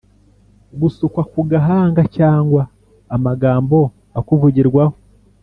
gusukwa ku gahanga?cg amagambo akuvugirwaho?